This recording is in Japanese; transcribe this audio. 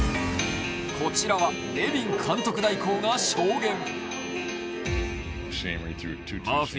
こちらはネビン監督代行が証言。